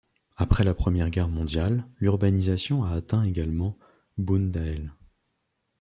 Après la Première Guerre mondiale l'urbanisation a atteint également Boondael.